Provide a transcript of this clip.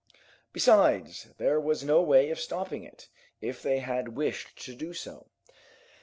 Besides, there was no way of stopping it, if they had wished to do so.